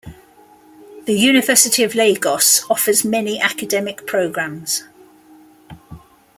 The University of Lagos offers many Academic Programs.